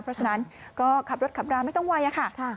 เพราะฉะนั้นก็ขับรถขับราไม่ต้องไวค่ะ